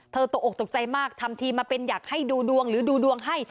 ตกออกตกใจมากทำทีมาเป็นอยากให้ดูดวงหรือดูดวงให้